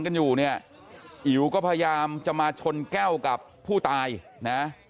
กันอยู่เนี่ยอิ๋วก็พยายามจะมาชนแก้วกับผู้ตายนะ